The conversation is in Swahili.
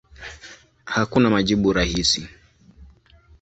Hakuna majibu rahisi.